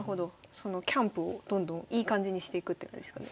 そのキャンプをどんどんいい感じにしていくって感じですかね。